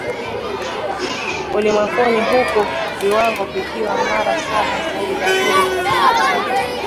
ni miongoni mwa miji yenye hewa chafu ulimwenguni huku viwango vikiwa mara saba zaidi ya vile vinavyoruhusiwa